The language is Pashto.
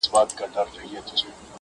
بيا به زه نه يمه عبث راپسې وبه ژاړې_